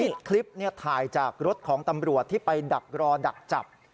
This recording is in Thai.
คลิปถ่ายจากรถของตำรวจที่ไปดักรอดักจับ